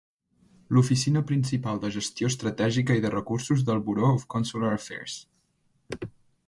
L'oficina principal de gestió estratègica i de recursos del Bureau of Consular Affairs.